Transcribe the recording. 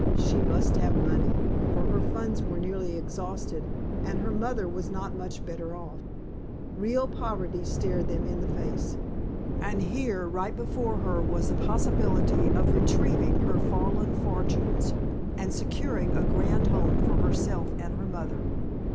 She must have money, for her funds were nearly exhausted, and her mother was not much better off. Real poverty stared them in the face. And here, right before her, was the possibility of retrieving her fallen fortunes and securing a grand home for herself and her mother.